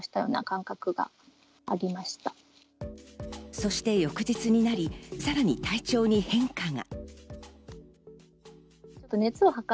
そして翌日になり、さらに体調に変化が。